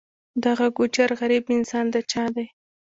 دغه ګوجر غریب انسان د چا دی.